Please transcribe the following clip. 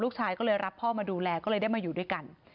ชายก็เลยรับพ่อมาดูแลก็เลยได้มาอยู่ด้วยกัน